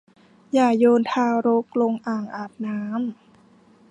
อย่าโยนทารกลงอ่างอาบน้ำ